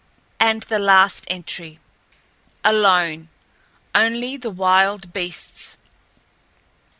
And the last entry: "... alone. Only the wild beasts